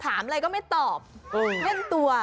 ถามอะไรก็ไม่ตอบเพลิ้นตัว